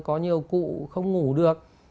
có nhiều cụ không ngủ được